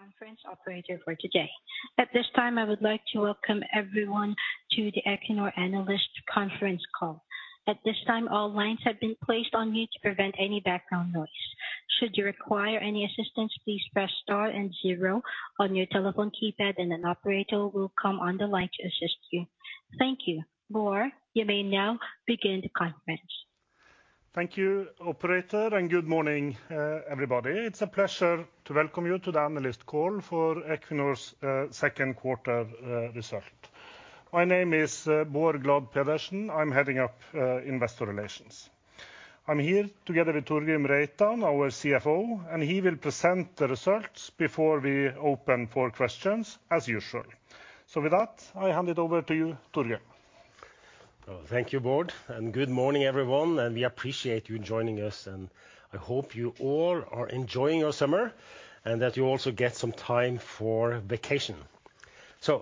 I am the conference operator for today. At this time, I would like to welcome everyone to the Equinor Analyst Conference Call. At this time, all lines have been placed on mute to prevent any background noise. Should you require any assistance, please press star and zero on your telephone keypad and an operator will come on the line to assist you. Thank you. Bård, you may now begin the conference. Thank you, operator. Good morning, everybody. It's a pleasure to welcome you to the analyst call for Equinor's Q2 result. My name is Bård Glad Pedersen. I'm heading up Investor Relations. I'm here together with Torgrim Reitan, our CFO, and he will present the results before we open for questions, as usual. With that, I hand it over to you, Torgrim. Thank you, Bård. Good morning, everyone. We appreciate you joining us, and I hope you all are enjoying your summer, and that you also get some time for vacation.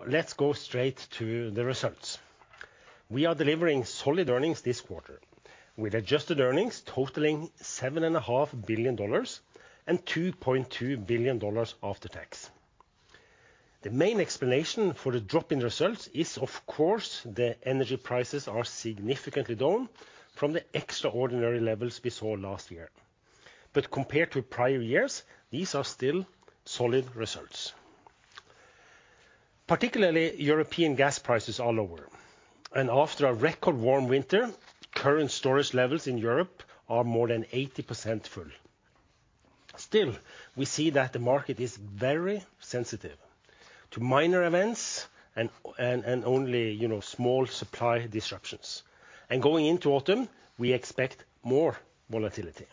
Let's go straight to the results. We are delivering solid earnings this quarter, with adjusted earnings totaling seven and a half billion dollars and $2.2 billion after tax. The main explanation for the drop in results is, of course, that energy prices are significantly down from the extraordinary levels we saw last year. Compared to prior years, these are still solid results. Particularly European gas prices are lower, and after a record warm winter, current storage levels in Europe are more than 80% full. Still, we see that the market is very sensitive to minor events and only, you know, small supply disruptions. Going into autumn, we expect more volatility.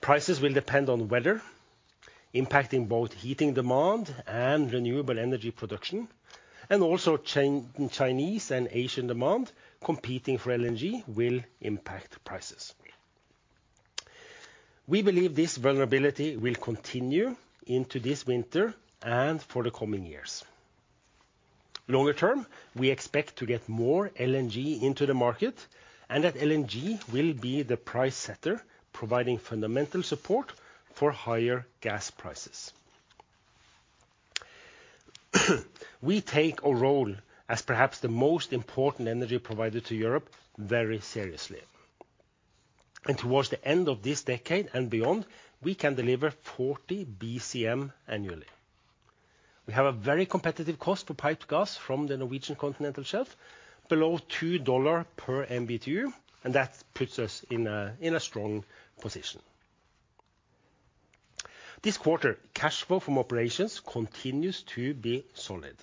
Prices will depend on weather, impacting both heating demand and renewable energy production, Chinese and Asian demand competing for LNG will impact prices. We believe this vulnerability will continue into this winter and for the coming years. Longer term, we expect to get more LNG into the market, that LNG will be the price setter, providing fundamental support for higher gas prices. We take our role as perhaps the most important energy provider to Europe very seriously. Towards the end of this decade and beyond, we can deliver 40 BCM annually. We have a very competitive cost for piped gas from the Norwegian Continental Shelf below $2 per MMBtu, that puts us in a strong position. This quarter, cash flow from operations continues to be solid.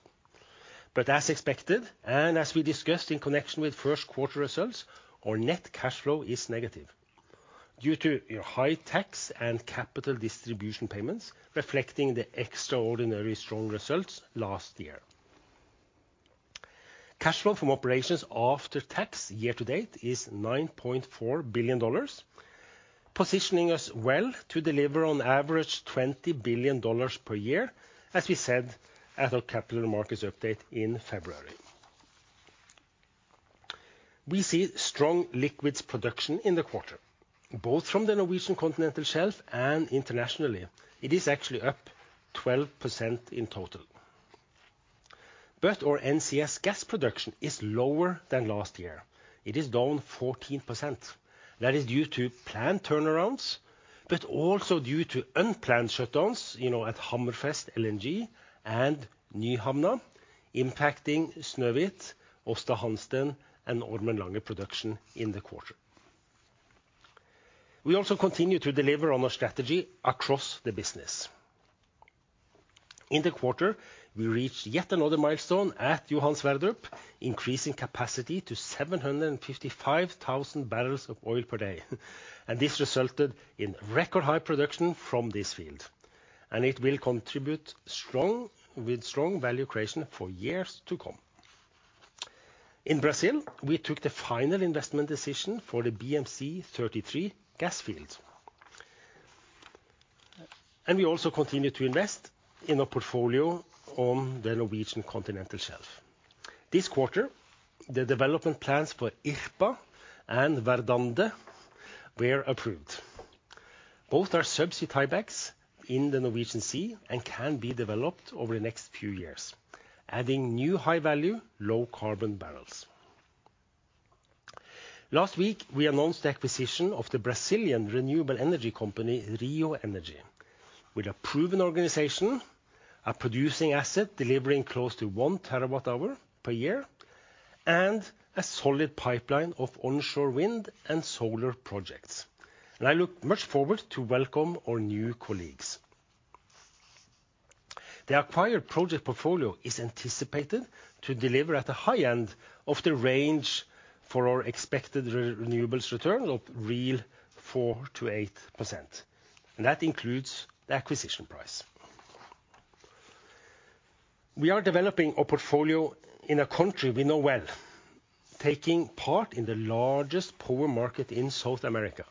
As expected, and as we discussed in connection with Q1 results, our net cash flow is negative due to high tax and capital distribution payments, reflecting the extraordinary strong results last year. Cash flow from operations after tax year-to-date is $9.4 billion, positioning us well to deliver on average $20 billion per year, as we said at our capital markets update in February. We see strong liquids production in the quarter, both from the Norwegian Continental Shelf and internationally. It is actually up 12% in total. Our NCS gas production is lower than last year. It is down 14%. That is due to plant turnarounds, but also due to unplanned shutdowns, you know, at Hammerfest LNG and Nyhamna, impacting Snøhvit, Aasta Hansteen, and Ormen Lange production in the quarter. We also continue to deliver on our strategy across the business. In the quarter, we reached yet another milestone at Johan Sverdrup, increasing capacity to 755,000 barrels of oil per day. This resulted in record-high production from this field, and it will contribute with strong value creation for years to come. In Brazil, we took the final investment decision for the BMC-33 gas field. We also continued to invest in our portfolio on the Norwegian Continental Shelf. This quarter, the development plans for Irpa and Verdande were approved. Both are subsea tiebacks in the Norwegian Sea and can be developed over the next few years, adding new high-value, low-carbon barrels. Last week, we announced the acquisition of the Brazilian renewable energy company, Rio Energy, with a proven organization, a producing asset delivering close to 1 TWh per year, and a solid pipeline of onshore wind and solar projects. I look much forward to welcome our new colleagues. The acquired project portfolio is anticipated to deliver at the high end of the range for our expected renewables return of real 4%-8%, and that includes the acquisition price. We are developing our portfolio in a country we know well, taking part in the largest power market in South America.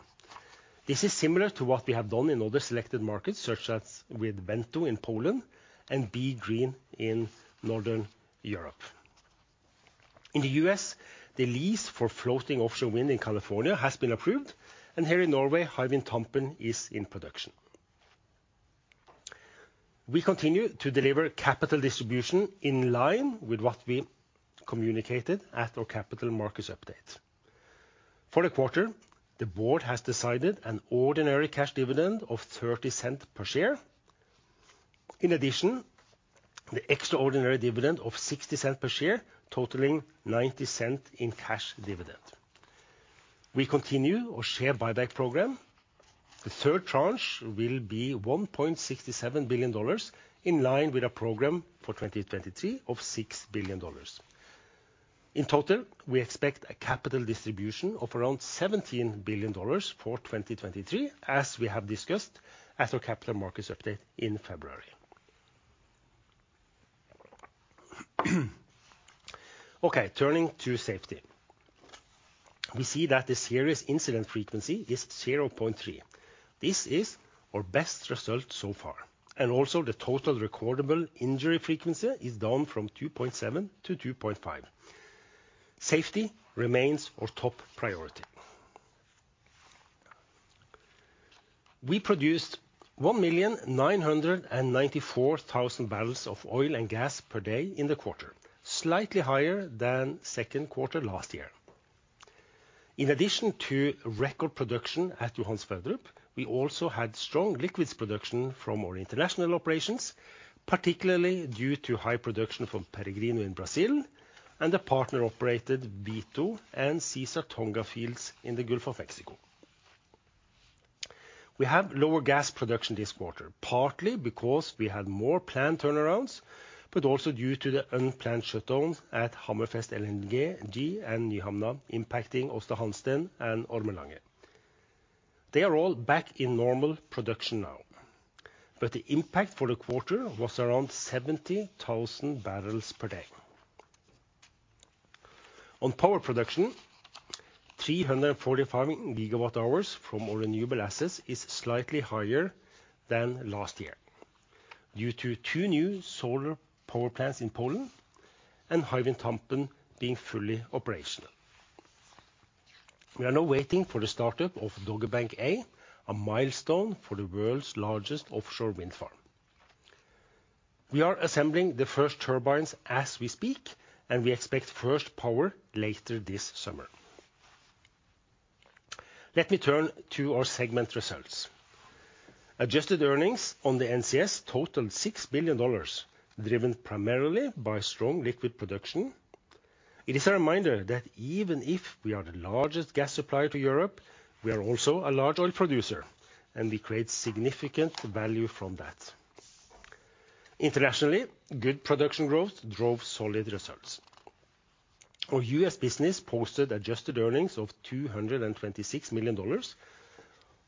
This is similar to what we have done in other selected markets, such as with Wento in Poland and BeGreen in Northern Europe. In the U.S., the lease for floating offshore wind in California has been approved, and here in Norway, Hywind Tampen is in production. We continue to deliver capital distribution in line with what we communicated at our capital markets update. For the quarter, the board has decided an ordinary cash dividend of $0.30 per share. In addition, the extraordinary dividend of $0.60 per share, totaling $0.90 in cash dividend. We continue our share buyback program. The third tranche will be $1.67 billion, in line with our program for 2023 of $6 billion. In total, we expect a capital distribution of around $17 billion for 2023, as we have discussed at our capital markets update in February. Turning to safety. We see that the Serious Incident Frequency is 0.3. This is our best result so far, and also the Total Recordable Injury Frequency is down from 2.7 to 2.5. Safety remains our top priority. We produced 1,994,000 barrels of oil and gas per day in the quarter, slightly higher than Q2 last year. In addition to record production at Johan Sverdrup, we also had strong liquids production from our international operations, particularly due to high production from Peregrino in Brazil and the partner-operated Vito and Caesar Tonga fields in the Gulf of Mexico. We have lower gas production this quarter, partly because we had more planned turnarounds, but also due to the unplanned shutdowns at Hammerfest LNG and Nyhamna, impacting Aasta Hansteen and Ormen Lange. They are all back in normal production now, but the impact for the quarter was around 70,000 barrels per day. On power production, 345 GWh from our renewable assets is slightly higher than last year due to two new solar power plants in Poland and Hywind Tampen being fully operational. We are now waiting for the startup of Dogger Bank A, a milestone for the world's largest offshore wind farm. We are assembling the first turbines as we speak, and we expect first power later this summer. Let me turn to our segment results. Adjusted earnings on the NCS totaled $6 billion, driven primarily by strong liquid production. It is a reminder that even if we are the largest gas supplier to Europe, we are also a large oil producer, and we create significant value from that. Internationally, good production growth drove solid results. Our U.S. business posted adjusted earnings of $226 million,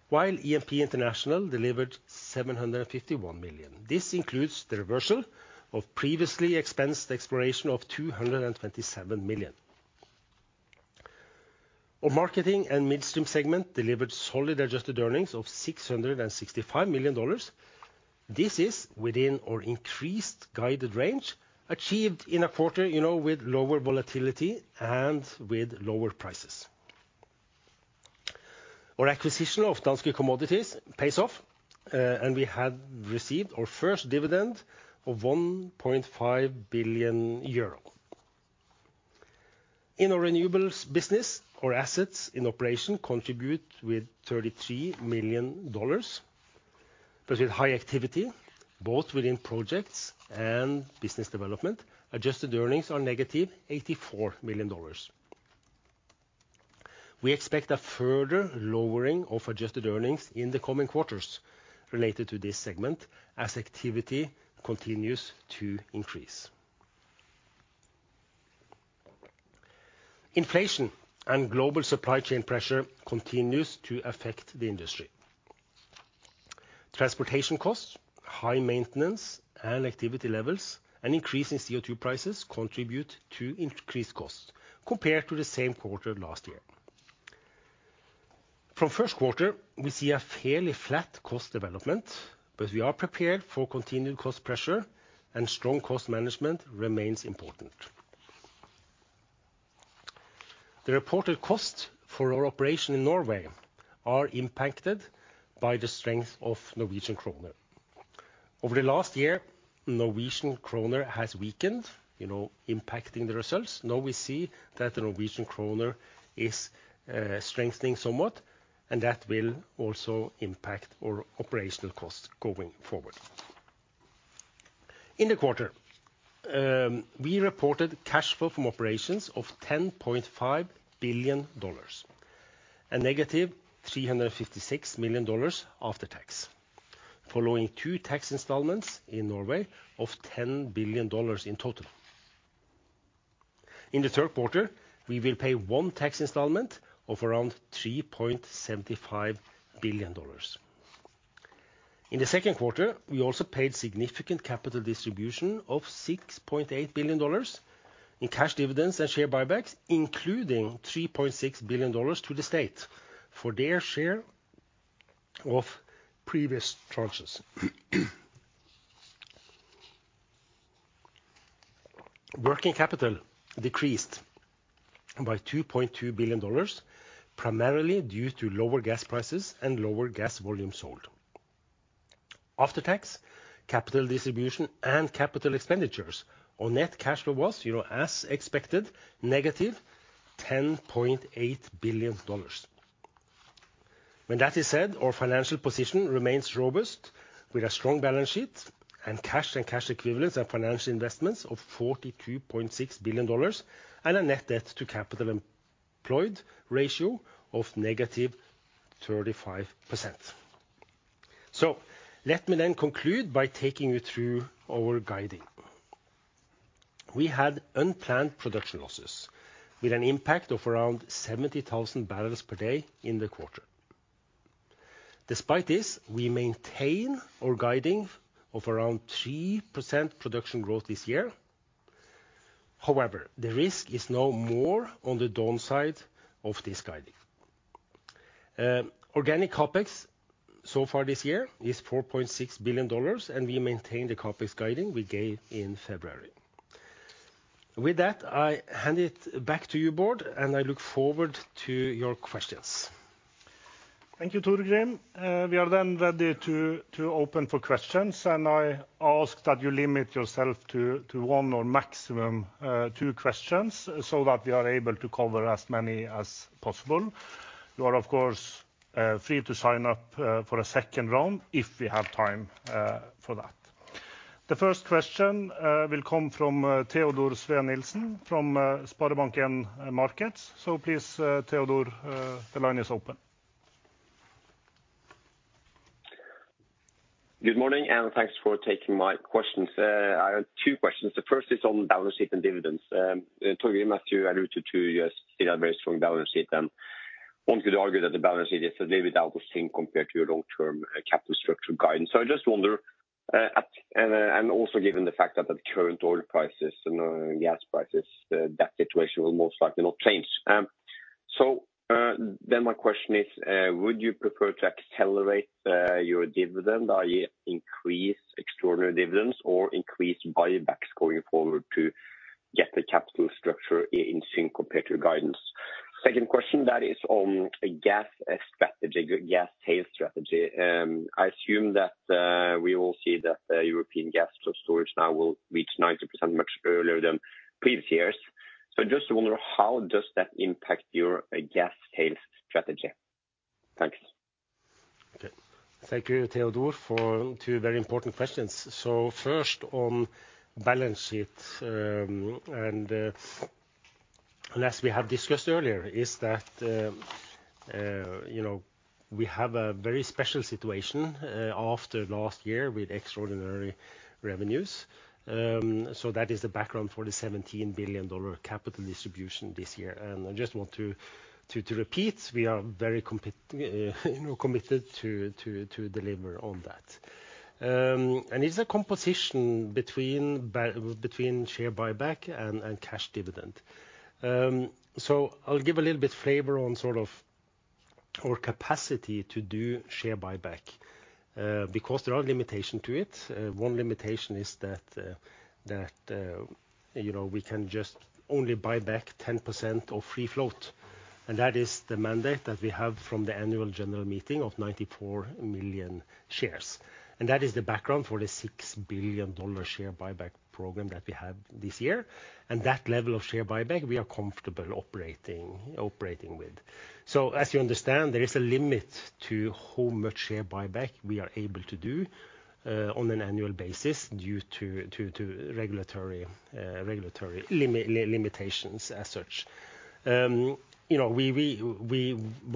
while E&P International delivered $751 million. This includes the reversal of previously expensed exploration of $227 million. Our marketing and midstream segment delivered solid adjusted earnings of $665 million. This is within our increased guided range, achieved in a quarter, you know, with lower volatility and with lower prices. Our acquisition of Danske Commodities pays off. We have received our first dividend of 1.5 billion euro. In our renewables business, our assets in operation contribute with $33 million, but with high activity, both within projects and business development, adjusted earnings are -$84 million. We expect a further lowering of adjusted earnings in the coming quarters related to this segment as activity continues to increase. Inflation and global supply chain pressure continue to affect the industry. Transportation costs, high maintenance and activity levels, and increase in CO₂ prices contribute to increased costs compared to the same quarter last year. From Q1, we see a fairly flat cost development. We are prepared for continued cost pressure, and strong cost management remains important. The reported costs for our operation in Norway are impacted by the strength of Norwegian kroner. Over the last year, Norwegian kroner has weakened, you know, impacting the results. Now we see that the Norwegian kroner is strengthening somewhat. That will also impact our operational costs going forward. In the quarter, we reported cash flow from operations of $10.5 billion and -$356 million after tax, following two tax installments in Norway of $10 billion in total. In the Q3, we will pay one tax installment of around $3.75 billion. In the Q2, we also paid significant capital distribution of $6.8 billion in cash dividends and share buybacks, including $3.6 billion to the state for their share of previous tranches.... Working capital decreased by $2.2 billion, primarily due to lower gas prices and lower gas volume sold. After tax, capital distribution, and capital expenditures, our net cash flow was, you know, as expected, -$10.8 billion. When that is said, our financial position remains robust, with a strong balance sheet and cash and cash equivalents and financial investments of $42.6 billion, and a net debt to capital employed ratio of -35%. Let me then conclude by taking you through our guiding. We had unplanned production losses with an impact of around 70,000 barrels per day in the quarter. Despite this, we maintain our guiding of around 3% production growth this year. However, the risk is now more on the down side of this guiding. Organic CapEx so far this year is $4.6 billion, and we maintain the CapEx guidance we gave in February. With that, I hand it back to you, Bård, and I look forward to your questions. Thank you, Torgrim. We are then ready to open for questions. I ask that you limit yourself to one or maximum two questions so that we are able to cover as many as possible. You are, of course, free to sign up for a second round if we have time for that. The first question will come from Teodor Sveen-Nilsen from SpareBank 1 Markets. Please, Teodor, the line is open. Good morning. Thanks for taking my questions. I have two questions. The first is on balance sheet and dividends. Torgrim, as you alluded to, you still have very strong balance sheet, and one could argue that the balance sheet is a little bit out of sync compared to your long-term capital structure guidance. I just wonder, and also given the fact that the current oil prices and gas prices, that situation will most likely not change. My question is, would you prefer to accelerate your dividend, i.e. increase extraordinary dividends or increase buybacks going forward to get the capital structure in sync compared to your guidance? Second question, that is on a gas strategy, gas sales strategy. I assume that we will see that European gas storage now will reach 90% much earlier than previous years. I just wonder, how does that impact your gas sales strategy? Thanks. Okay. Thank you, Teodor, for two very important questions. First, on balance sheet, and as we have discussed earlier, is that, you know, we have a very special situation after last year with extraordinary revenues. That is the background for the $17 billion capital distribution this year. I just want to repeat, we are very committed to deliver on that. It's a composition between share buyback and cash dividend. I'll give a little bit flavor on sort of our capacity to do share buyback because there are limitations to it. One limitation is that, you know, we can just only buy back 10% of free float, that is the mandate that we have from the annual general meeting of 94 million shares. That is the background for the $6 billion share buyback program that we have this year, that level of share buyback we are comfortable operating with. As you understand, there is a limit to how much share buyback we are able to do on an annual basis due to regulatory limitations as such. You know, we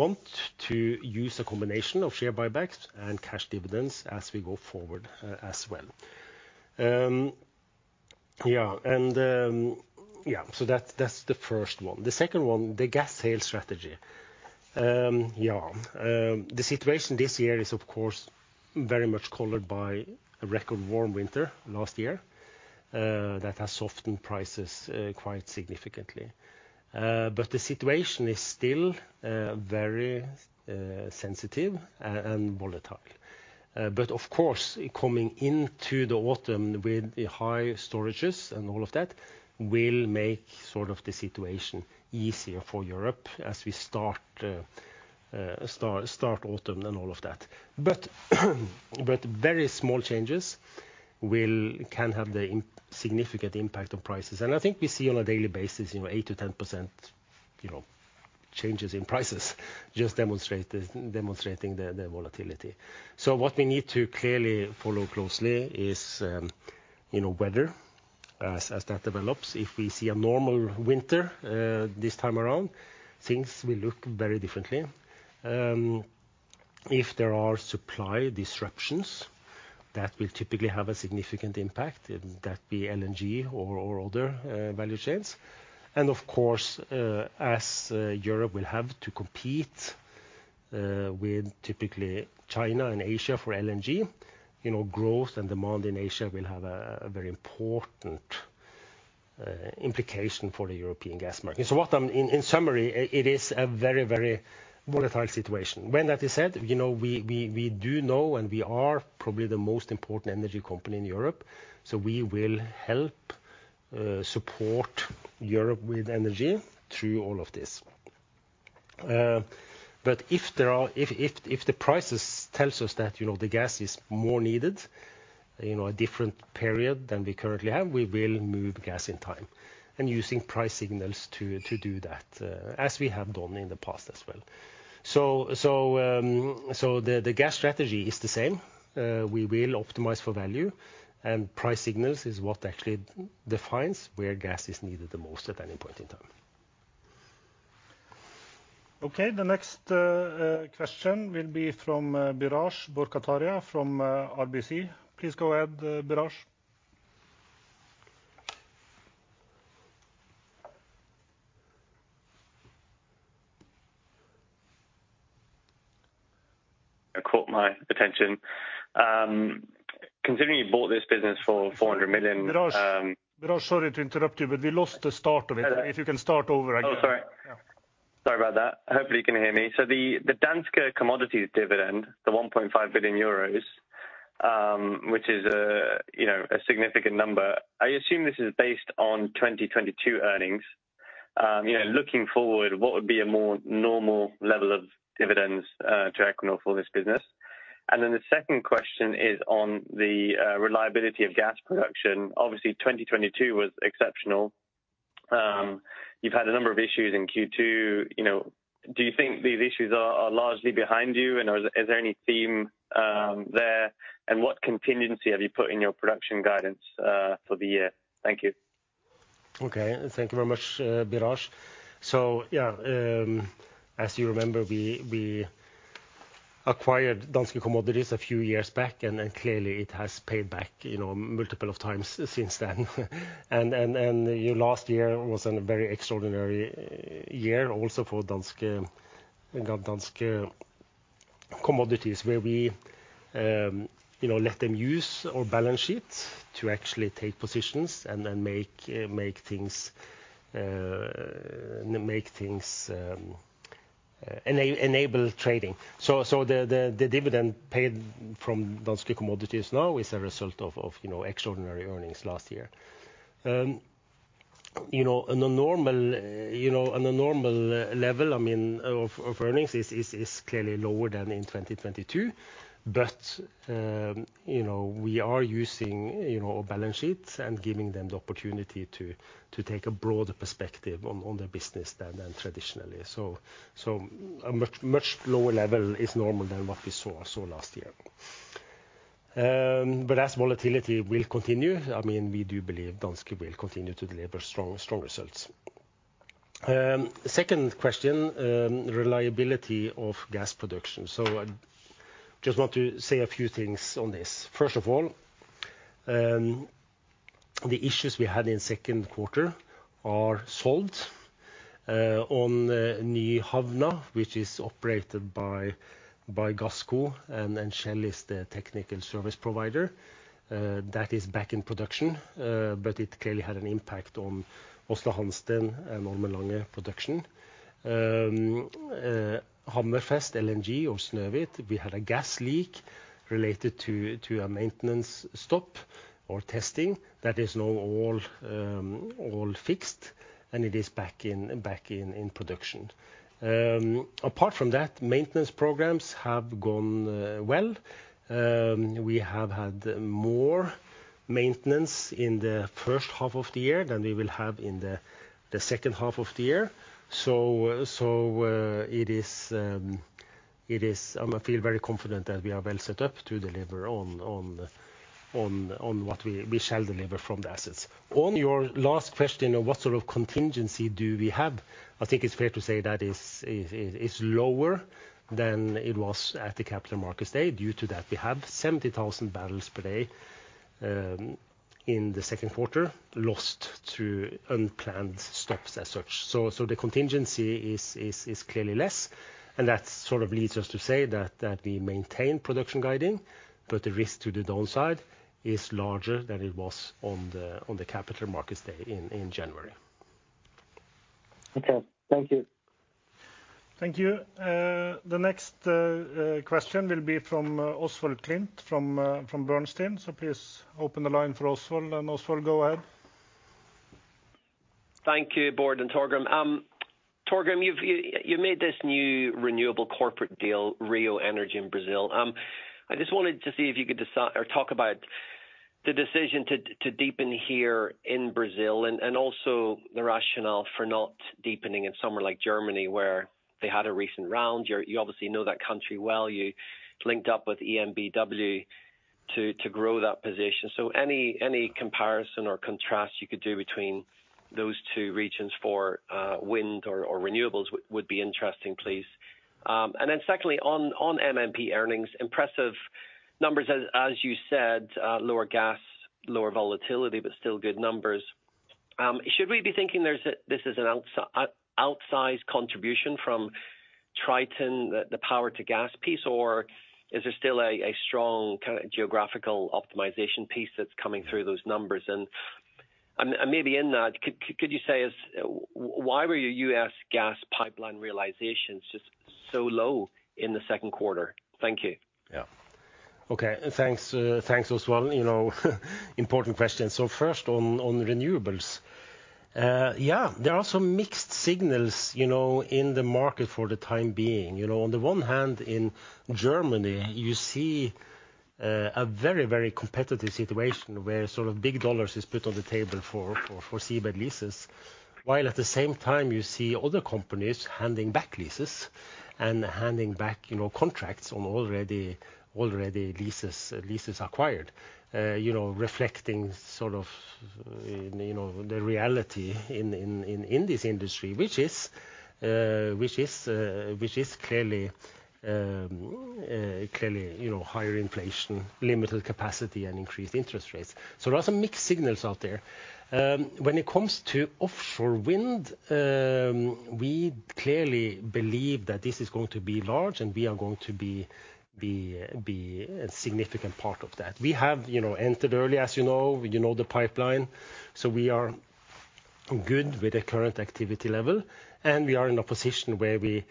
want to use a combination of share buybacks and cash dividends as we go forward as well. That's the first one. The second one, the gas sales strategy. Yeah, the situation this year is, of course, very much colored by a record warm winter last year, that has softened prices quite significantly. The situation is still very sensitive and volatile. Of course, coming into the autumn with high storages and all of that, will make sort of the situation easier for Europe as we start autumn and all of that. Very small changes can have the significant impact on prices, and I think we see on a daily basis, you know, 8% to 10% changes in prices, just demonstrating the volatility. What we need to clearly follow closely is, you know, weather as that develops. If we see a normal winter this time around, things will look very differently. If there are supply disruptions, that will typically have a significant impact, and that be LNG or other value chains. Of course, as Europe will have to compete with typically China and Asia for LNG, you know, growth and demand in Asia will have a very important implication for the European gas market. In summary, it is a very, very volatile situation. When that is said, you know, we do know and we are probably the most important energy company in Europe, so we will help support Europe with energy through all of this. If the prices tell us that, you know, the gas is more needed, you know, a different period than we currently have, we will move gas in time, and using price signals to do that, as we have done in the past as well. The gas strategy is the same. We will optimize for value, and price signal is what actually defines where gas is needed the most at any point in time. Okay, the next question will be from Biraj Borkhataria from RBC. Please go ahead, Biraj. It caught my attention. Considering you bought this business for $400 million. Biraj, sorry to interrupt you, but we lost the start of it. Hello. If you can start over again. Oh, sorry. Yeah. Sorry about that. Hopefully you can hear me. The Danske Commodities dividend, the 1.5 billion euros, which is a, you know, a significant number, I assume this is based on 2022 earnings. You've know, looking forward, what would be a more normal level of dividends to Equinor for this business? The second question is on the reliability of gas production. Obviously, 2022 was exceptional. You've had a number of issues in Q2, you know, do you think these issues are largely behind you, and is there any theme there? What contingency have you put in your production guidance for the year? Thank you. Okay, thank you very much, Biraj. Yeah, as you remember, we acquired Danske Commodities a few years back, and clearly it has paid back, you know, multiple of times since then. Last year was a very extraordinary year also for Danske Commodities, where we, you know, let them use our balance sheet to actually take positions and then make things enable trading. The dividend paid from Danske Commodities now is a result of, you know, extraordinary earnings last year. You know, on a normal level, I mean, of earnings is clearly lower than in 2022, but, you know, we are using, you know, balance sheets and giving them the opportunity to take a broader perspective on the business than traditionally. A much lower level is normal than what we saw last year. As volatility will continue, I mean, we do believe Danske will continue to deliver strong results. Second question, reliability of gas production. I just want to say a few things on this. First of all, the issues we had in Q2 are solved. On Nyhamna, which is operated by Gassco, and Shell is the technical service provider, that is back in production, but it clearly had an impact on Hansteen and on Ormen Lange production. Hammerfest LNG or Snøhvit, we had a gas leak related to a maintenance stop or testing that is now all fixed, and it is back in production. Apart from that, maintenance programs have gone well. We have had more maintenance in the first half of the year than we will have in the second half of the year. It is I feel very confident that we are well set up to deliver on what we shall deliver from the assets. On your last question of what sort of contingency do we have, I think it's fair to say that it's lower than it was at the Capital Markets Day due to that. We have 70,000 barrels per day, in the Q2, lost through unplanned stops as such. The contingency is clearly less, and that sort of leads us to say that we maintain production guiding, but the risk to the downside is larger than it was on the Capital Markets Day in January. Okay, thank you. Thank you. The next question will be from Oswald Clint, from Bernstein. Please open the line for Oswald, and Oswald, go ahead. Thank you, Bård and Torgrim. Torgrim, you've made this new renewable corporate deal, Rio Energy in Brazil. I just wanted to see if you could talk about the decision to deepen here in Brazil, and also the rationale for not deepening in somewhere like Germany, where they had a recent round. You obviously know that country well. You linked up with EnBW to grow that position. Any comparison or contrast you could do between those two regions for wind or renewables would be interesting, please. Secondly, on MMP earnings, impressive numbers as you said, lower gas, lower volatility, but still good numbers. Should we be thinking this is an outsized contribution from Triton, the power to gas piece, or is there still a strong kind of geographical optimization piece that's coming through those numbers? Maybe in that, could you say, as why were your U.S. gas pipeline realizations just so low in the Q2? Thank you. Yeah. Okay, thanks. Thanks, Oswald. You know, important question. First on renewables. Yeah, there are some mixed signals, you know, in the market for the time being. You know, on the one hand, in Germany, you see a very, very competitive situation where sort of big dollars is put on the table for seabed leases. While at the same time, you see other companies handing back leases and handing back, you know, contracts on already acquired leases. You know, reflecting sort of, you know, the reality in this industry, which is clearly, you know, higher inflation, limited capacity, and increased interest rates. There are some mixed signals out there. When it comes to offshore wind, we clearly believe that this is going to be large, and we are going to be a significant part of that. We have, you know, entered early, as you know. You know the pipeline, so we are good with the current activity level, and we are in a position where we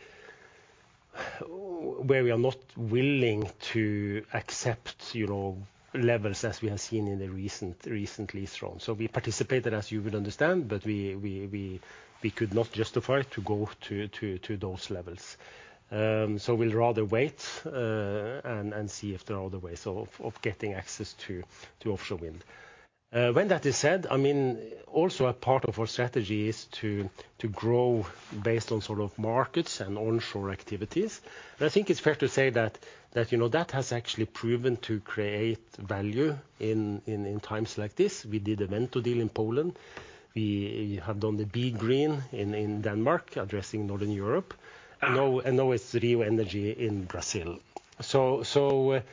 are not willing to accept, you know, levels as we have seen in the recent, recently thrown. We participated, as you would understand, but we could not justify to go to those levels. We'll rather wait and see if there are other ways of getting access to offshore wind. When that is said, I mean, also a part of our strategy is to grow based on sort of markets and onshore activities. I think it's fair to say that, you know, that has actually proven to create value in times like this. We did a Wento deal in Poland. We have done the BeGreen in Denmark, addressing Northern Europe, and now it's Rio Energy in Brazil. That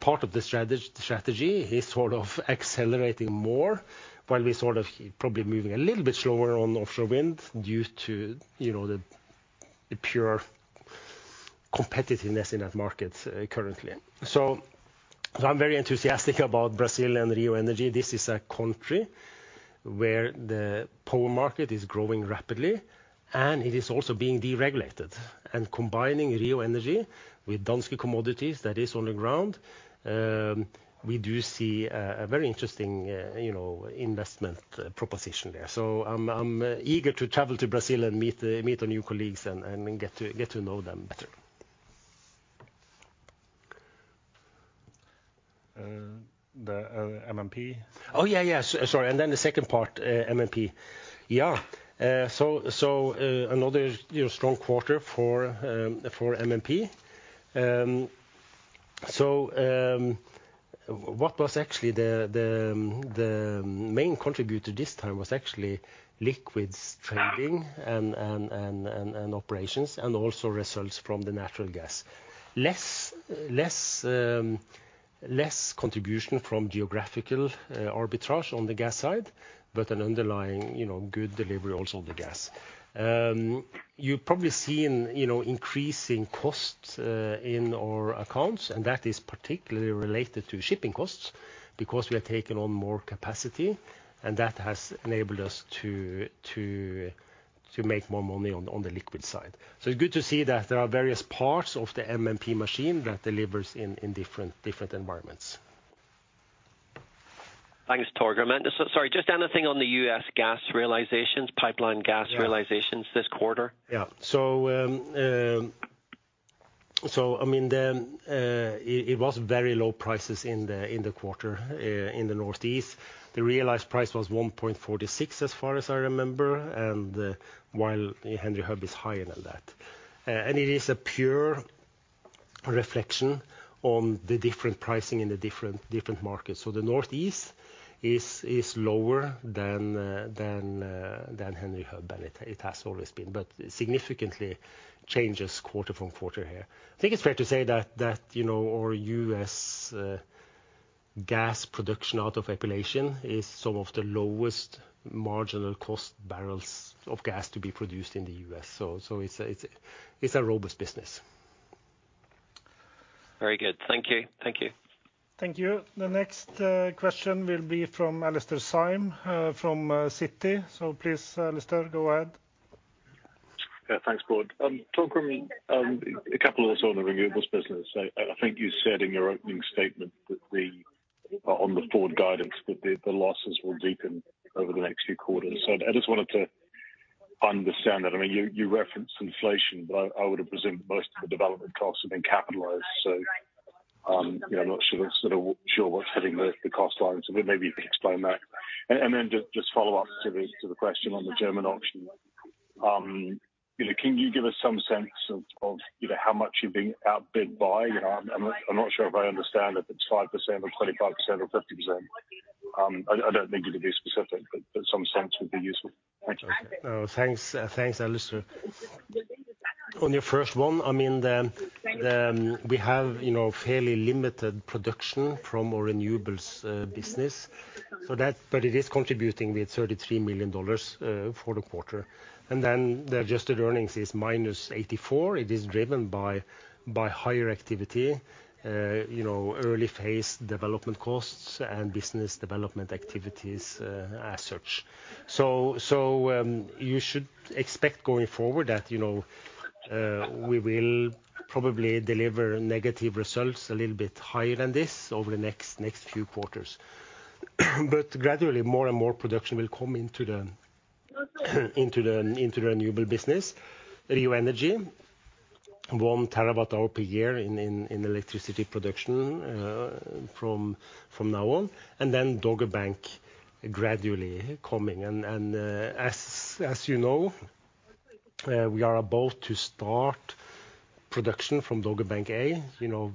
part of the strategy is sort of accelerating more, while we sort of probably moving a little bit slower on offshore wind, due to, you know, the pure competitiveness in that market currently. I'm very enthusiastic about Brazil and Rio Energy. This is a country where the power market is growing rapidly, and it is also being deregulated. Combining Rio Energy with Danske Commodities, that is on the ground, we do see a very interesting, you know, investment proposition there. I'm eager to travel to Brazil and meet the new colleagues and get to know them better. The MMP? Yeah, yeah. Sorry, and then the second part, MMP. Yeah, another, you know, strong quarter for MMP. What was actually the main contributor this time was actually liquids trading and operations, and also results from the natural gas. Less contribution from geographical arbitrage on the gas side, but an underlying, you know, good delivery also on the gas. You've probably seen increasing costs in our accounts, That is particularly related to shipping costs, because we are taking on more capacity, That has enabled us to make more money on the liquid side. It's good to see that there are various parts of the MMP machine that delivers in different environments. Thanks, Torgrim. Sorry, just anything on the U.S. gas realizations, pipeline gas realizations this quarter? Yeah. I mean, the, it was very low prices in the quarter in the Northeast. The realized price was $1.46, as far as I remember, while Henry Hub is higher than that. It is a pure reflection on the different pricing in the different markets. The Northeast is lower than Henry Hub, it has always been. Significantly changes quarter-from-quarter here. I think it's fair to say that, you know, our U.S. gas production out of Appalachian is some of the lowest marginal cost barrels of gas to be produced in the U.S., so it's a robust business. Very good. Thank you. Thank you. Thank you. The next question will be from Alastair Syme from Citi. Please, Alastair, go ahead. Thanks, Bård. Torgrim, a couple also on the renewables business. I think you said in your opening statement that the on the forward guidance, the losses will deepen over the next few quarters. I just wanted to understand that. I mean, you referenced inflation, but I would have presumed most of the development costs have been capitalized. You know, I'm not sure what's hitting the cost line. Maybe you can explain that. Then just follow up to the question on the German auction. You know, can you give us some sense of, you know, how much you're being outbid by? You know, I'm not sure if I understand if it's 5% or 25% or 50%. I don't think you can be specific, but some sense would be useful. Thank you. Oh, thanks, Alastair. On your first one, I mean, the, we have, you know, fairly limited production from our renewables business. That, but it is contributing with $33 million for the quarter. The adjusted earnings is minus $84 million. It is driven by higher activity, you know, early phase development costs and business development activities as such. You should expect going forward that, you know, we will probably deliver negative results a little bit higher than this over the next few quarters. Gradually, more and more production will come into the renewable business. Rio Energy, 1 TBh per year in electricity production from now on, and then Dogger Bank gradually coming in. As you know, we are about to start production from Dogger Bank A, you know,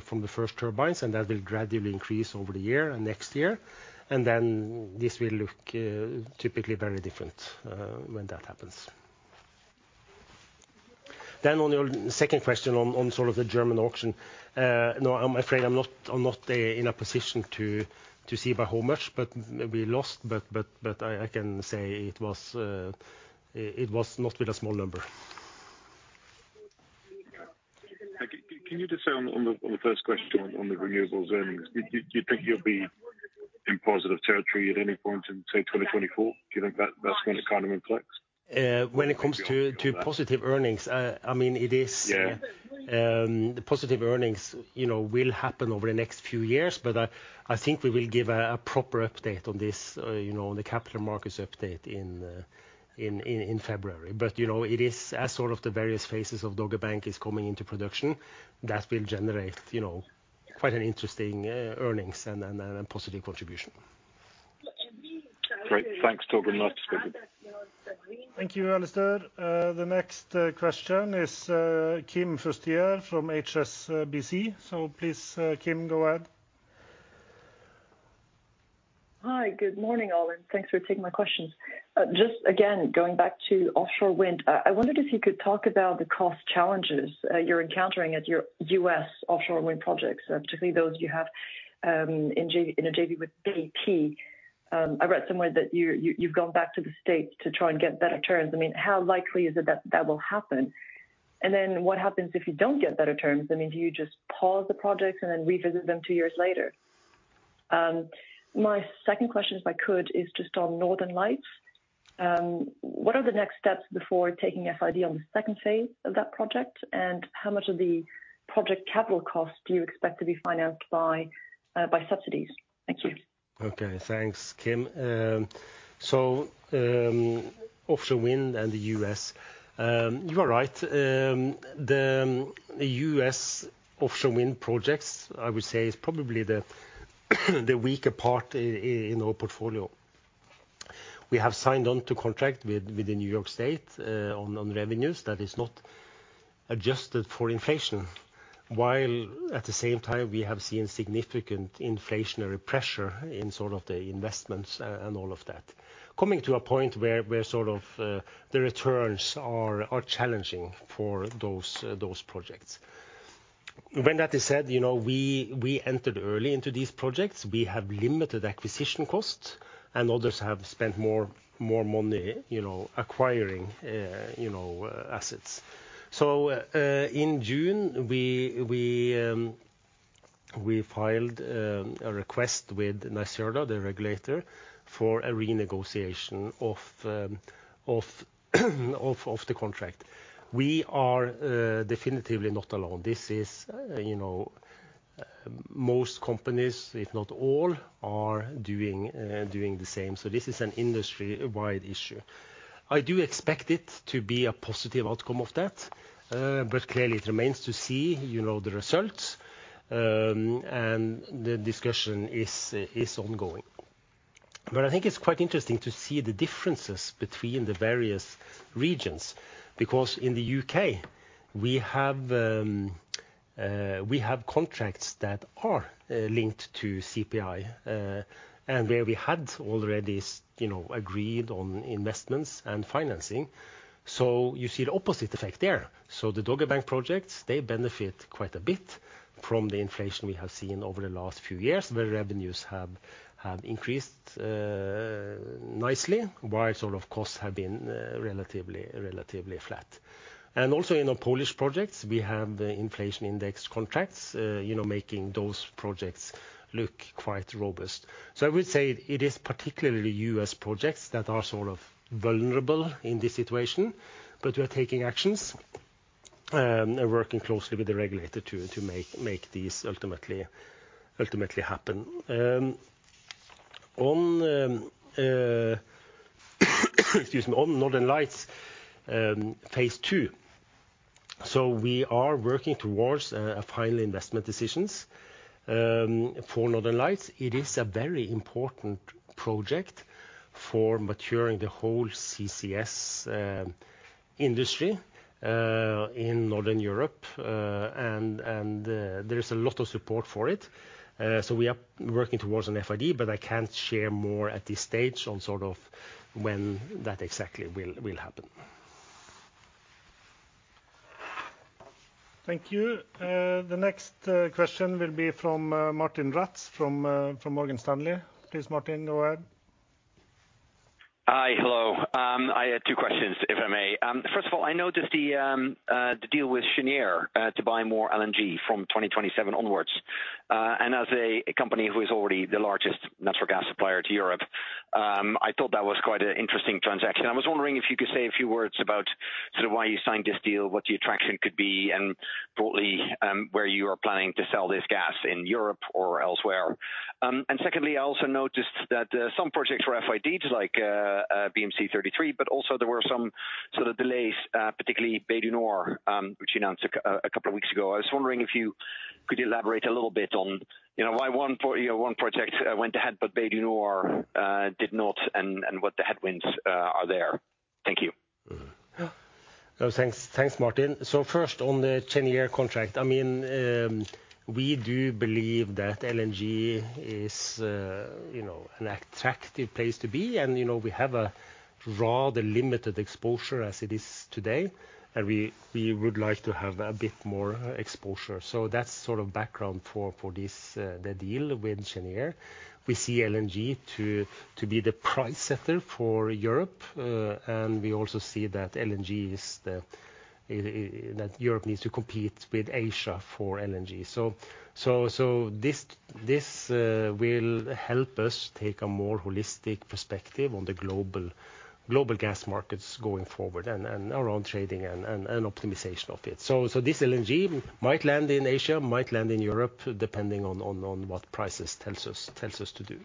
from the first turbines, and that will gradually increase over the year and next year. This will look typically very different when that happens. On your second question on sort of the German auction, no, I'm afraid I'm not in a position to say by how much, but we lost, but I can say it was not with a small number. Can you just say on the first question, on the renewables earnings, do you think you'll be in positive territory at any point in, say, 2024? Do you think that's when it kind of inflects? When it comes to positive earnings, I mean. Yeah. The positive earnings, you know, will happen over the next few years, but I think we will give a proper update on this, you know, on the capital markets update in February. You know, it is as sort of the various phases of Dogger Bank is coming into production, that will generate, you know, quite an interesting earnings and positive contribution. Great. Thanks, Torgrim. That's good. Thank you, Alastair. The next question is Kim Fustier from HSBC. Please, Kim, go ahead. Hi, good morning, all, and thanks for taking my questions. Just again, going back to offshore wind, I wondered if you could talk about the cost challenges you're encountering at your U.S. offshore wind projects, particularly those you have in a JV with BP. I read somewhere that you've gone back to the States to try and get better terms. I mean, how likely is it that that will happen? What happens if you don't get better terms? I mean, do you just pause the projects and then revisit them two years later? My second question, if I could, is just on Northern Lights. What are the next steps before taking FID on the second phase of that project, and how much of the project capital cost do you expect to be financed by subsidies? Thank you. Okay, thanks, Kim. Offshore wind and the U.S., you are right. The U.S. offshore wind projects, I would say, is probably the weaker part in our portfolio. We have signed on to contract with the New York State on revenues that is not adjusted for inflation. While at the same time, we have seen significant inflationary pressure in sort of the investments and all of that. Coming to a point where sort of the returns are challenging for those projects. When that is said, you know, we entered early into these projects. We have limited acquisition costs, and others have spent more money, you know, acquiring assets. In June, we filed a request with NYSERDA, the regulator, for a renegotiation of the contract. We are definitively not alone. This is, you know, most companies, if not all, are doing the same. This is an industry-wide issue. I do expect it to be a positive outcome of that, but clearly it remains to see, you know, the results. The discussion is ongoing. I think it's quite interesting to see the differences between the various regions, because in the UK, we have contracts that are linked to CPI, and where we had already, you know, agreed on investments and financing. You see the opposite effect there. The Dogger Bank projects, they benefit quite a bit from the inflation we have seen over the last few years, where revenues have increased nicely, while sort of costs have been relatively flat. Also in the Polish projects, we have the inflation index contracts, you know, making those projects look quite robust. I would say it is particularly U.S. projects that are sort of vulnerable in this situation, but we are taking actions and working closely with the regulator to make these ultimately happen. Excuse me, on Northern Lights phase II, we are working towards a final investment decisions. For Northern Lights, it is a very important project for maturing the whole CCS industry in Northern Europe. There's a lot of support for it. We are working towards an FID, but I can't share more at this stage on sort of when that exactly will happen. Thank you. The next question will be from Martijn Rats from Morgan Stanley. Please, Martijn, go ahead. Hi, hello. I have two questions, if I may. First of all, I noticed the deal with Cheniere to buy more LNG from 2027 onwards. As a company who is already the largest natural gas supplier to Europe, I thought that was quite an interesting transaction. I was wondering if you could say a few words about sort of why you signed this deal, what the attraction could be, and broadly, where you are planning to sell this gas, in Europe or elsewhere? Secondly, I also noticed that some projects were FIDed, like BCM 33, but also there were some sort of delays, particularly Bay du Nord, which you announced a couple of weeks ago. I was wondering if you could elaborate a little bit on, you know, why one you know, one project went ahead, but Bay du Nord did not, and what the headwinds are there? Thank you. Mm-hmm. Yeah. Well, thanks, Martijn. First on the Cheniere contract, I mean, we do believe that LNG is, you know, an attractive place to be, and, you know, we have a rather limited exposure as it is today, and we would like to have a bit more exposure. That's sort of background for this, the deal with Cheniere. We see LNG to be the price setter for Europe, and we also see that LNG is the that Europe needs to compete with Asia for LNG. This will help us take a more holistic perspective on the global gas markets going forward and around trading and optimization of it. This LNG might land in Asia, might land in Europe, depending on what prices tells us to do.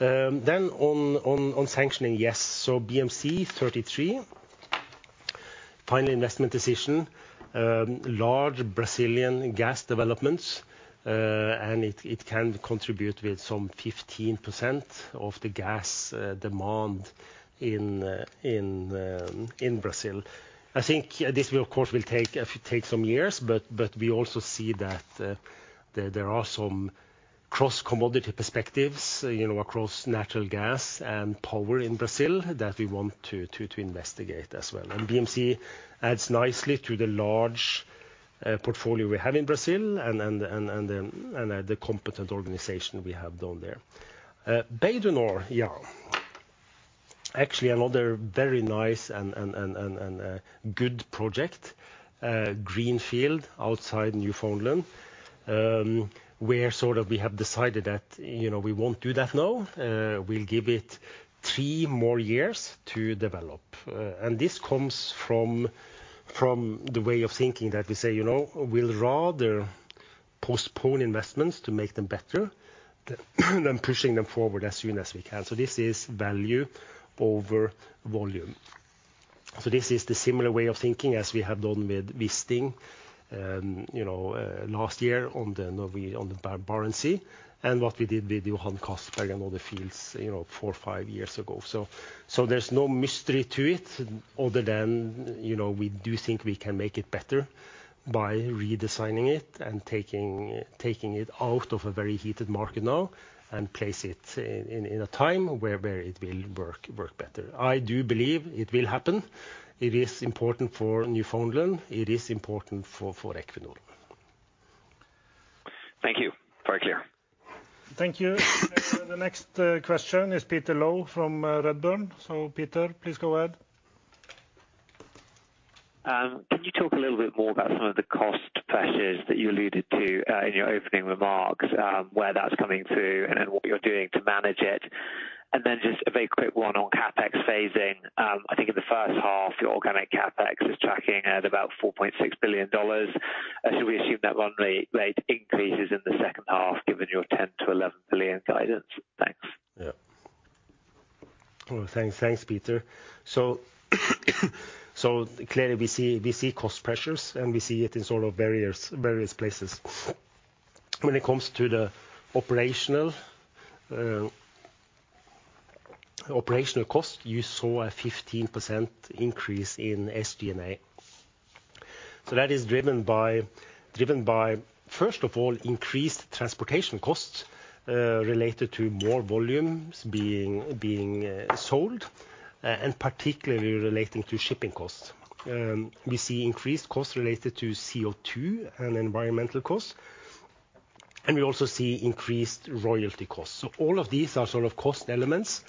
On sanctioning, yes, BCM 33, FID, large Brazilian gas developments, and it can contribute with some 15% of the gas demand in Brazil. I think this will, of course, take some years, but we also see that there are some cross-commodity perspectives, you know, across natural gas and power in Brazil that we want to investigate as well. BCM adds nicely to the large portfolio we have in Brazil, and the competent organization we have down there. Bay du Nord, yeah. Another very nice and good project, greenfield outside Newfoundland, where sort of we have decided that, you know, we won't do that now. We'll give it three more years to develop, and this comes from the way of thinking that we say, you know, we'll rather postpone investments to make them better than pushing them forward as soon as we can. This is value over volume. This is the similar way of thinking as we have done with Wisting, you know, last year on the Barents Sea, and what we did with the Johan Castberg and other fields, you know, four, five years ago. There's no mystery to it, other than, you know, we do think we can make it better by redesigning it and taking it out of a very heated market now and place it in a time where it will work better. I do believe it will happen. It is important for Newfoundland. It is important for Equinor. Thank you. Very clear. Thank you. The next question is Peter Low from Redburn. Peter, please go ahead. Can you talk a little bit more about some of the cost pressures that you alluded to, in your opening remarks, where that's coming through, and then what you're doing to manage it? Just a very quick one on capex phasing. I think in the first half, your organic capex is tracking at about $4.6 billion. Should we assume that runway rate increases in the second half, given your $10 billion-$11 billion guidance? Thanks. Yeah. Well, thanks, Peter. Clearly we see cost pressures, and we see it in sort of various places. When it comes to the operational costs, you saw a 15% increase in SG&A. That is driven by, first of all, increased transportation costs, related to more volumes being sold, and particularly relating to shipping costs. We see increased costs related to CO₂ and environmental costs, and we also see increased royalty costs. All of these are sort of cost elements,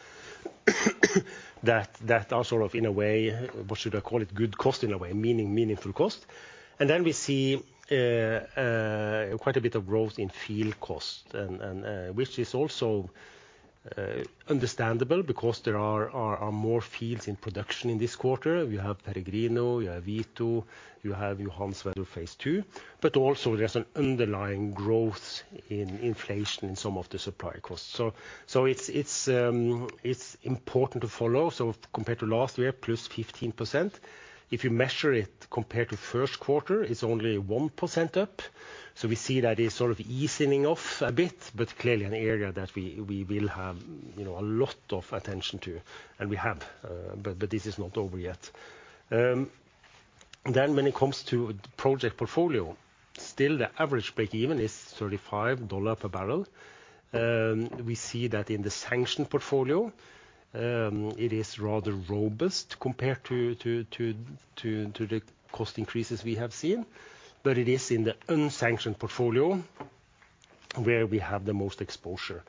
that are sort of, in a way, what should I call it? Good cost, in a way, meaning meaningful cost. We see quite a bit of growth in field costs, which is also understandable because there are more fields in production in this quarter. We have Peregrino, you have Vito, you have Johan Sverdrup phase II. There's an underlying growth in inflation in some of the supply costs. It's important to follow. Compared to last year, +15%. If you measure it compared to Q1, it's only 1% up. We see that it's sort of easing off a bit, clearly an area that we will have, you know, a lot of attention to, and we have. This is not over yet. When it comes to project portfolio, still, the average breakeven is $35 per barrel. We see that in the sanctioned portfolio, it is rather robust compared to the cost increases we have seen. It is in the unsanctioned portfolio where we have the most exposure.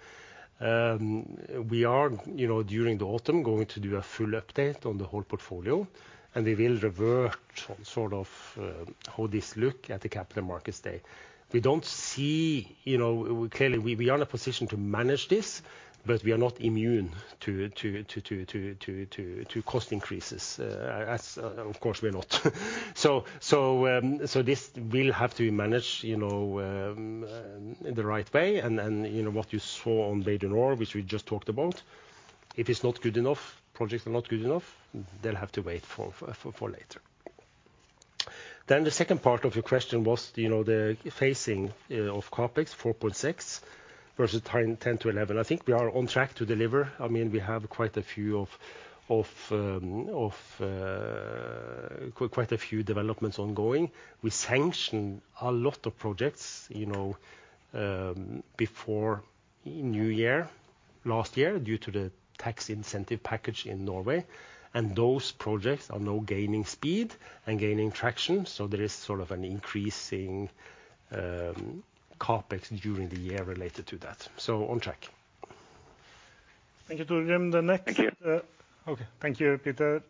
We are, you know, during the autumn, going to do a full update on the whole portfolio, and we will revert on sort of, how this look at the capital markets day. We don't see, you know, clearly, we are in a position to manage this, but we are not immune to cost increases, as of course we are not. This will have to be managed, you know, in the right way. You know, what you saw on Bay du Nord, which we just talked about, if it's not good enough, projects are not good enough, they'll have to wait for later. The second part of your question was, you know, the facing of CapEx $4.6 versus $10-$11. I think we are on track to deliver. I mean, we have quite a few developments ongoing. We sanctioned a lot of projects, you know, before New Year, last year, due to the tax incentive package in Norway, and those projects are now gaining speed and gaining traction, so there is sort of an increasing CapEx during the year related to that, so on track. Thank you, Torgrim. Thank you. Okay. Thank you, Peter.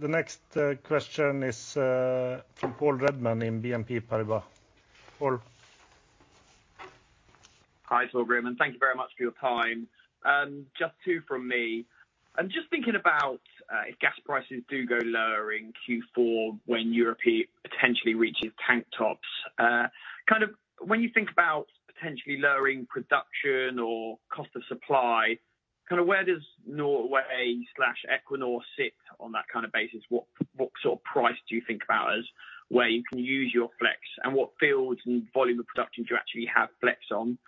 The next question is from Paul Redman in BNP Paribas. Paul? Hi, Torgrim, and thank you very much for your time. Just two from me. I'm just thinking about if gas prices do go lower in Q4 when Europe potentially reaches tank tops, kind of when you think about potentially lowering production or cost of supply, kind of where does Norway/Equinor sit on that kind of basis? What, what sort of price do you think about as where you can use your flex, and what fields and volume of production do you actually have flex on?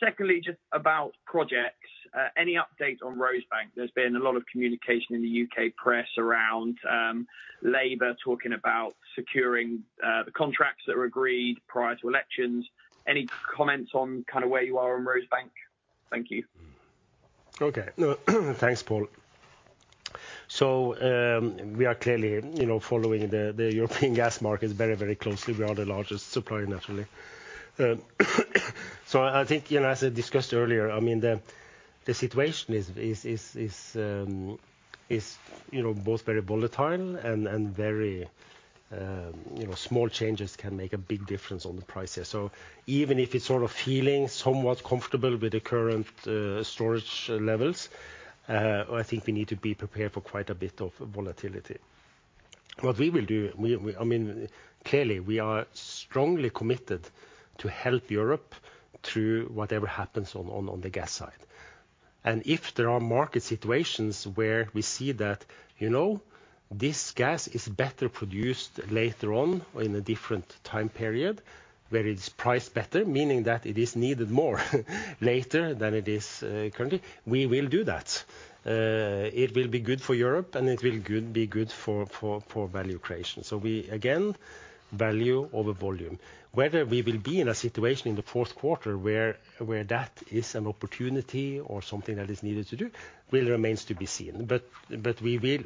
Secondly, just about projects. Any update on Rosebank? There's been a lot of communication in the UK press around Labour talking about securing the contracts that were agreed prior to elections. Any comments on kind of where you are on Rosebank? Thank you. Okay. No, thanks, Paul. We are clearly, you know, following the European gas markets very, very closely. We are the largest supplier, naturally. I think, you know, as I discussed earlier, I mean, the situation is, is, you know, both very volatile and very, you know, small changes can make a big difference on the prices. Even if it's sort of feeling somewhat comfortable with the current storage levels, I think we need to be prepared for quite a bit of volatility. What we will do, we, I mean, clearly we are strongly committed to help Europe through whatever happens on the gas side. If there are market situations where we see that, you know, this gas is better produced later on or in a different time period where it's priced better, meaning that it is needed more later than it is currently, we will do that. It will be good for Europe, and it will be good for value creation. We, again, value over volume. Whether we will be in a situation in the Q4 where that is an opportunity or something that is needed to do, will remain to be seen.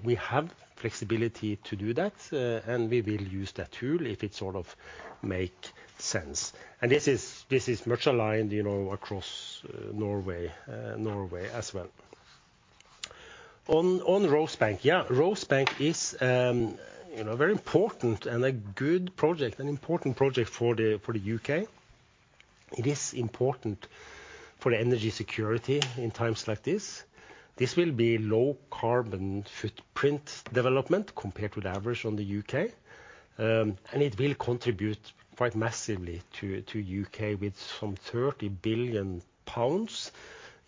We have flexibility to do that, and we will use that tool if it sort of make sense. This is much aligned, you know, across Norway as well. Rosebank, yeah, Rosebank is, you know, very important and a good project, an important project for the UK. It is important for the energy security in times like this. This will be low carbon footprint development compared with average on the UK. It will contribute quite massively to UK with some 30 billion pounds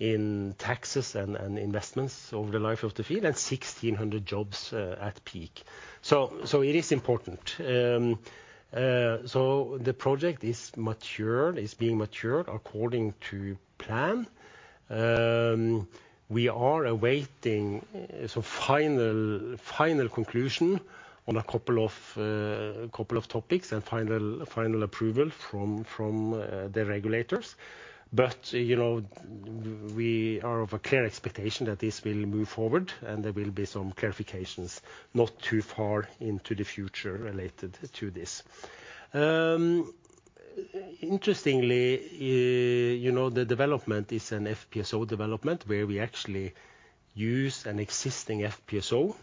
in taxes and investments over the life of the field and 1,600 jobs at peak. It is important. The project is mature, is being matured according to plan. We are awaiting some final conclusion on a couple of topics and final approval from the regulators. You know, we are of a clear expectation that this will move forward, and there will be some clarifications not too far into the future related to this. Interestingly, you know, the development is an FPSO development, where we actually use an existing FPSO,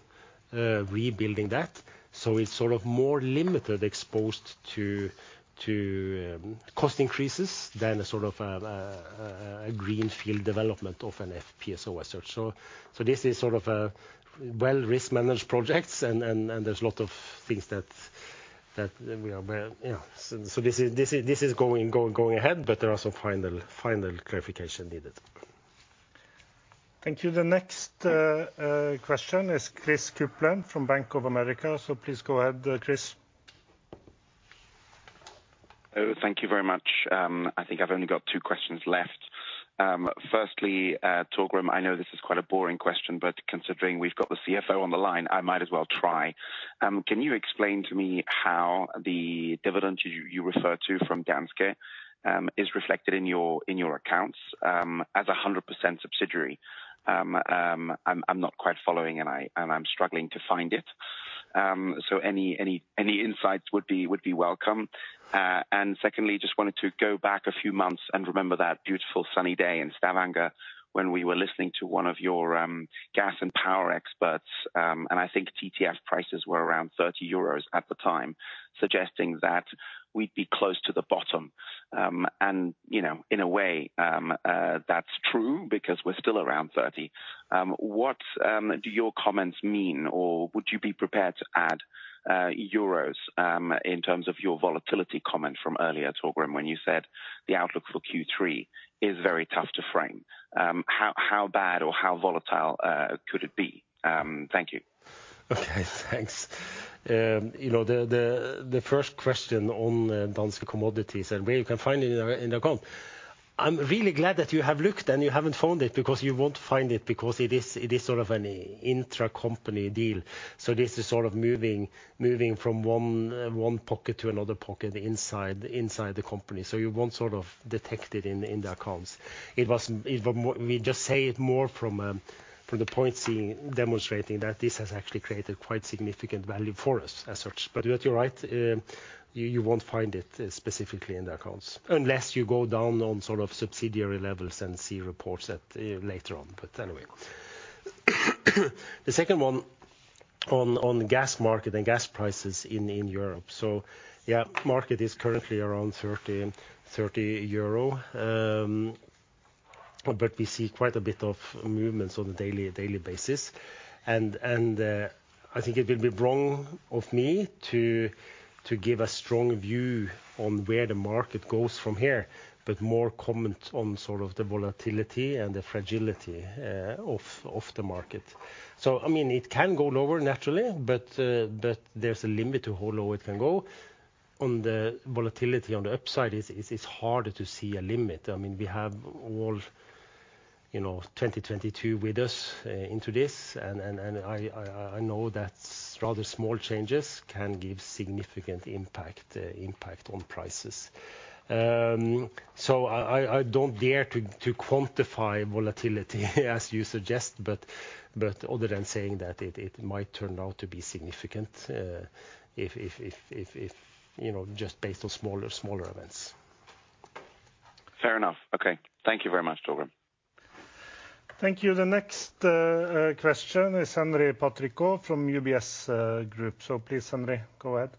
rebuilding that. It's sort of more limited exposed to cost increases than a green field development of an FPSO as such. This is sort of a well risk managed projects and there's a lot of things that we are well, you know. This is going ahead, but there are some final clarification needed. Thank you. The next question is Christopher Kuplent from Bank of America. Please go ahead, Chris. Thank you very much. I think I've only got two questions left. Firstly, Torgrim, I know this is quite a boring question, considering we've got the CFO on the line, I might as well try. Can you explain to me how the dividend you referred to from Danske is reflected in your accounts as a 100% subsidiary? I'm not quite following, I'm struggling to find it. Any insights would be welcome. Secondly, just wanted to go back a few months and remember that beautiful sunny day in Stavanger when we were listening to one of your gas and power experts, I think TTF prices were around 30 euros at the time, suggesting that we'd be close to the bottom. You know, in a way, that's true, because we're still around 30. What do your comments mean? Would you be prepared to add EUR, in terms of your volatility comment from earlier, Torgrim, when you said the outlook for Q3 is very tough to frame? How bad or how volatile could it be? Thank you. Okay, thanks. You know, the first question on Danske Commodities and where you can find it in our, in the account. I'm really glad that you have looked, and you haven't found it, because you won't find it, because it is sort of an intracompany deal. This is sort of moving from one pocket to another pocket inside the company. You won't sort of detect it in the accounts. We just say it more from the point of view demonstrating that this has actually created quite significant value for us as such. You are right, you won't find it specifically in the accounts, unless you go down on sort of subsidiary levels and see reports that later on. The second one on gas market and gas prices in Europe. The market is currently around 30 euro. We see quite a bit of movements on a daily basis. I think it will be wrong of me to give a strong view on where the market goes from here, but more comment on sort of the volatility and the fragility of the market. I mean, it can go lower naturally, there's a limit to how low it can go. On the volatility on the upside, it's harder to see a limit. I mean, we have all, you know, 2022 with us into this, and I know that rather small changes can give significant impact on prices. I don't dare to quantify volatility as you suggest, but other than saying that it might turn out to be significant, if, you know, just based on smaller events. Fair enough. Okay, thank you very much, Torgrim. Thank you. The next question is Henri Patricot from UBS Group. Please, Henri, go ahead.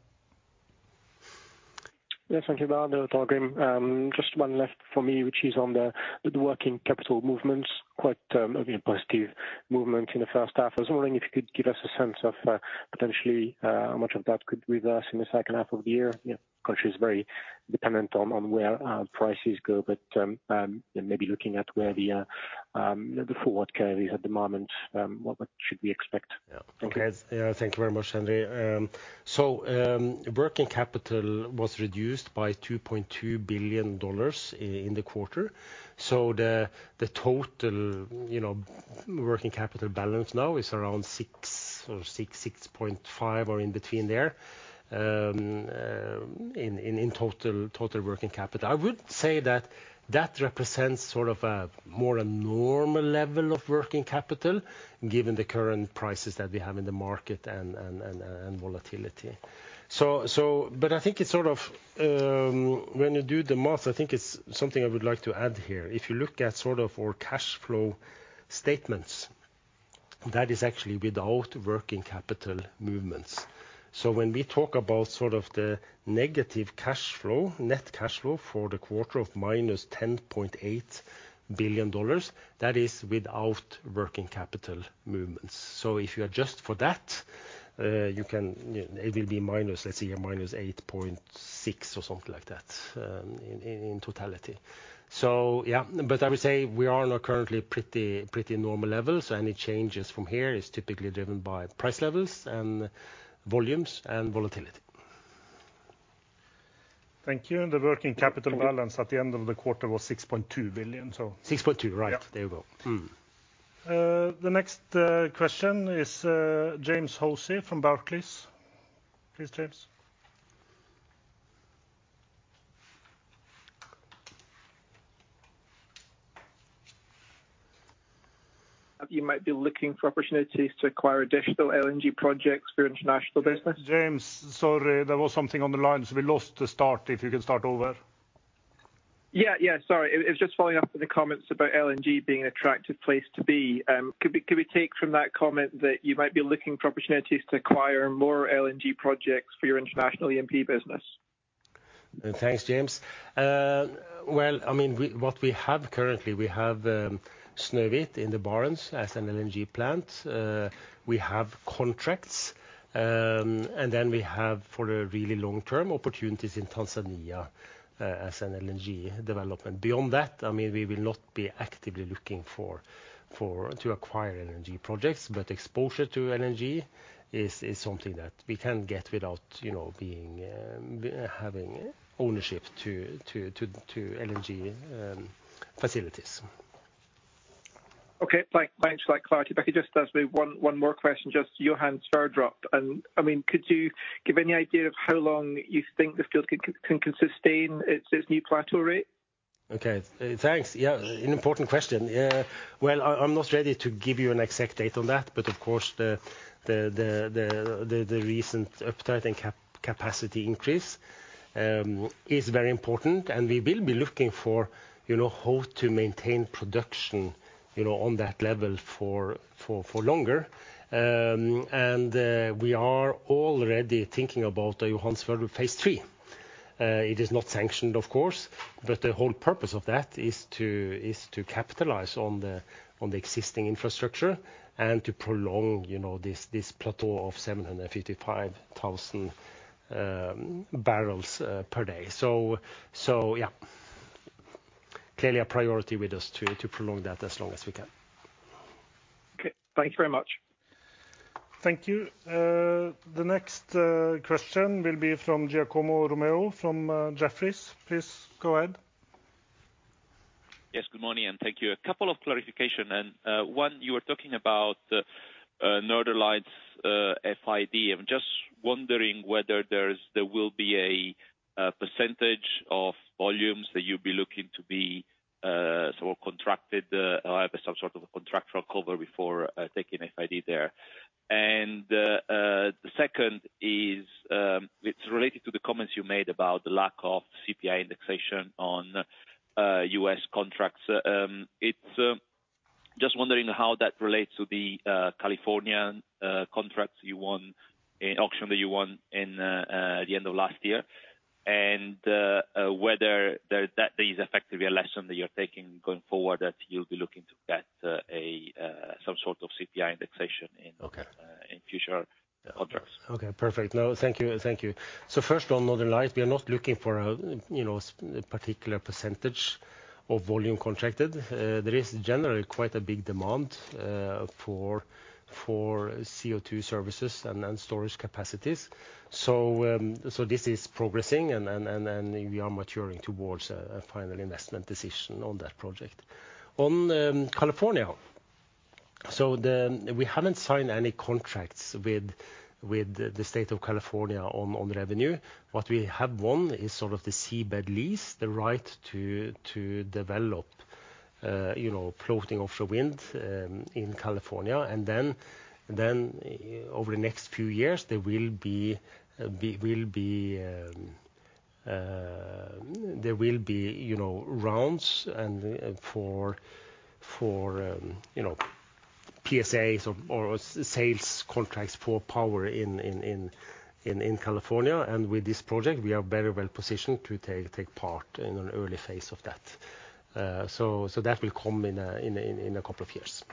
Yes, thank you. Hello, Torgrim. Just one left for me, which is on the working capital movements, quite a positive movement in the first half. I was wondering if you could give us a sense of potentially how much of that could reverse in the second half of the year? Yeah, of course, it's very dependent on where prices go, but and maybe looking at where the forward curve is at the moment, what should we expect? Okay. Thank you very much, Henri. Working capital was reduced by $2.2 billion in the quarter. The total, you know, working capital balance now is around six or 6.5 or in between there. In total working capital. I would say that represents sort of a more normal level of working capital, given the current prices that we have in the market and volatility. I think it's sort of, when you do the math, I think it's something I would like to add here. If you look at sort of our cash flow statements, that is actually without working capital movements. When we talk about sort of the negative cash flow, net cash flow for the quarter of -$10.8 billion, that is without working capital movements. If you adjust for that, it will be minus, let's say, -$8.6 billion or something like that, in totality. Yeah, I would say we are on a currently pretty normal level, any changes from here is typically driven by price levels and volumes and volatility. Thank you. The working capital balance at the end of the quarter was $6.2 billion. 6.2, right. Yeah. There you go. The next question is James Hosie from Barclays. Please, James. You might be looking for opportunities to acquire additional LNG projects for your international business. James, sorry, there was something on the line, so we lost the start. If you could start over. Sorry. It's just following up on the comments about LNG being an attractive place to be. Could we take from that comment that you might be looking for opportunities to acquire more LNG projects for your international E&P business? Thanks, James. Well, I mean, what we have currently, we have Snøhvit in the Barents as an LNG plant. We have contracts, we have, for the really long term, opportunities in Tanzania as an LNG development. Beyond that, I mean, we will not be actively looking for to acquire LNG projects, but exposure to LNG is something that we can get without, you know, being having ownership to LNG facilities. Okay, thanks for that clarity. If I could just ask maybe one more question, just Johan Sverdrup, I mean, could you give any idea of how long you think the field can sustain its new plateau rate? Thanks. Yeah, an important question. Well, I'm not ready to give you an exact date on that, but of course, the recent uptick in capacity increase is very important, and we will be looking for, you know, how to maintain production, you know, on that level for longer. We are already thinking about the Johan Sverdrup phase III. It is not sanctioned, of course, but the whole purpose of that is to capitalize on the existing infrastructure and to prolong, you know, this plateau of 755,000 barrels per day. So yeah, clearly a priority with us to prolong that as long as we can. Okay. Thank you very much. Thank you. The next question will be from Giacomo Romeo, from Jefferies. Please go ahead. Yes, good morning, thank you. A couple of clarification, one, you were talking about Northern Lights FID. I'm just wondering whether there will be a percentage of volumes that you'd be looking to be sort of contracted or have some sort of contractual cover before taking FID there. The second is, it's related to the comments you made about the lack of CPI indexation on U.S. contracts. It's just wondering how that relates to the California contracts you won, in auction that you won in the end of last year, whether that is effectively a lesson that you're taking going forward, that you'll be looking to get a some sort of CPI indexation in future contracts. Okay, perfect. Thank you. First, on Northern Lights, we are not looking for a, you know, particular percentage of volume contracted. There is generally quite a big demand for CO2 services and storage capacities. This is progressing and we are maturing towards a final investment decision on that project. On California, we haven't signed any contracts with the state of California on revenue. What we have won is sort of the seabed lease, the right to develop, you know, floating offshore wind in California. Then over the next few years, there will be, you know, rounds and for, you know, PPAs or sales contracts for power in California. With this project, we are very well positioned to take part in an early phase of that. That will come in a couple of years.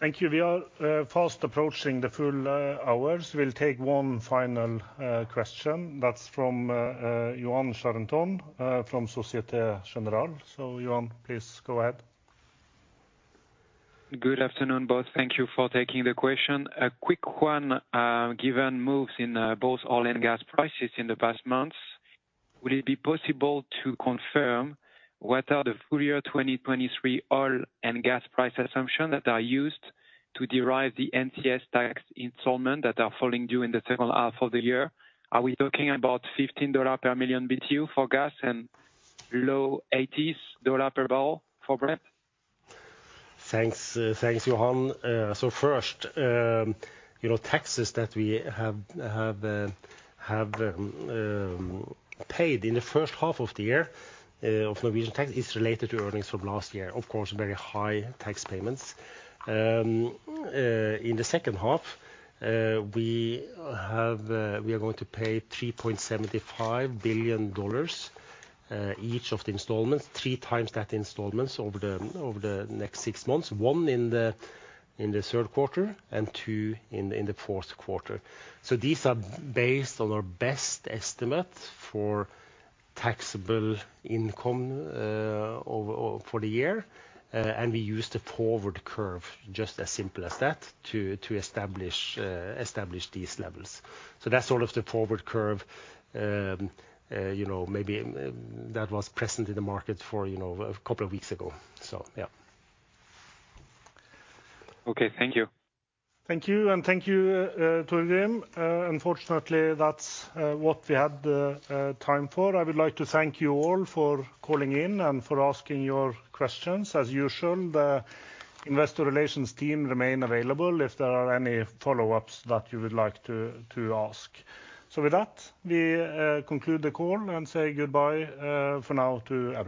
Thank you. We are fast approaching the full hour, so we'll take one final question. That's from Yoann Charenton from Société Générale. Yoann, please go ahead. Good afternoon, both. Thank you for taking the question. A quick one, given moves in both oil and gas prices in the past months, would it be possible to confirm what are the full year 2023 oil and gas price assumption that are used to derive the NCS tax installment that are falling due in the second half of the year? Are we talking about $15 per million BTU for gas and low $80s per barrel for Brent? Thanks, Yoann. First, you know, taxes that we have paid in the first half of the year, of Norwegian tax is related to earnings from last year. Of course, very high tax payments. In the second half, we are going to pay $3.75 billion each of the installments, 3x that installments over the next six months. One in the Q3 and two in the Q4. These are based on our best estimate for taxable income for the year, and we use the forward curve, just as simple as that, to establish these levels. That's sort of the forward curve, you know, maybe, that was present in the market for, you know, a couple of weeks ago. Yeah. Okay. Thank you. Thank you, Torgrim. Unfortunately, that's what we had time for. I would like to thank you all for calling in and for asking your questions. As usual, the investor relations team remain available if there are any follow-ups that you would like to ask. With that, we conclude the call and say goodbye for now to everyone.